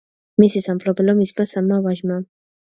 მისი სამფლობელო მისმა სამმა ვაჟმა.